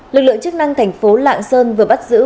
lực lượng chức năng thành phố lạng sơn vừa bắt giữ